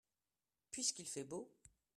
puisqu'il fait beau.